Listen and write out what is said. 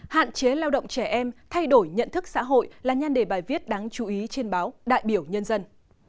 hạn chế lao động trẻ em thay đổi nhận thức xã hội là nhan đề bài viết đáng chú ý trên báo đại biểu nhân dân